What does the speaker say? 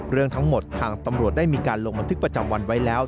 เรื่องทั้งหมดทางตำรวจได้มีการลงบันทึกประจำวันไว้แล้ว